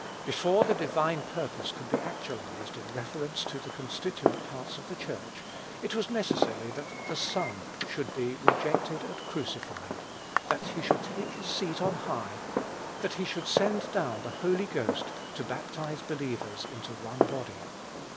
Before the divine purpose could be actualized in reference to the constituent parts of the Church, it was necessary that the Son should be rejected and crucified, that he should take his seat on high, that he should send down the Holy Ghost to baptize believers into one body.